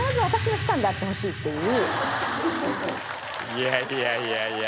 いやいやいやいや。